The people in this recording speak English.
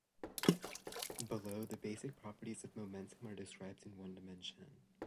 Below, the basic properties of momentum are described in one dimension.